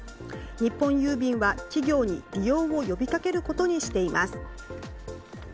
日本郵便は企業に利用を呼び掛けることにしています。